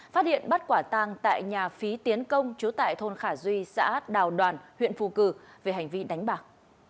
phát hiện bắt quả tang tại nhà phí tiến công chúa tại thôn khả duy xã đào đoàn huyện phù cử về hành vi đánh bạc